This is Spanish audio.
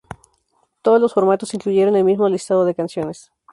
Todos los formatos incluyeron el mismo listado de canciones.